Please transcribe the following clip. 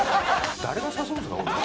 誰が誘うんですか。